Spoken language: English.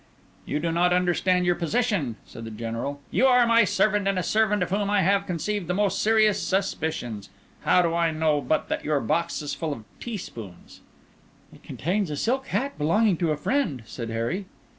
"You do not understand your position," said the General. "You are my servant, and a servant of whom I have conceived the most serious suspicions. How do I know but that your box is full of teaspoons?" "It contains a silk hat belonging to a friend," said Harry.